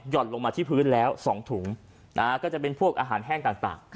หย่อนลงมาที่พื้นแล้วสองถุงนะฮะก็จะเป็นพวกอาหารแห้งต่างต่าง